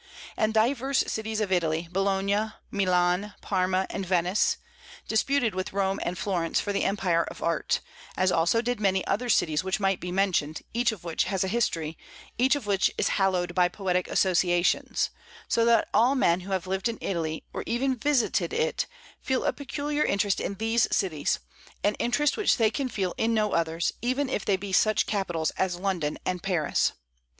And divers cities of Italy Bologna, Milan, Parma, and Venice disputed with Rome and Florence for the empire of art; as also did many other cities which might be mentioned, each of which has a history, each of which is hallowed by poetic associations; so that all men who have lived in Italy, or even visited it, feel a peculiar interest in these cities, an interest which they can feel in no others, even if they be such capitals as London and Paris.